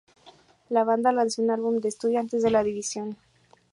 La banda lanzó un álbum de estudio antes de la división.